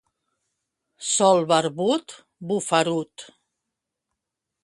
Sol barbut, bufarut.